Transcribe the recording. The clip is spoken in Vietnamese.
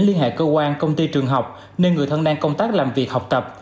liên hệ cơ quan công ty trường học nên người thân đang công tác làm việc học tập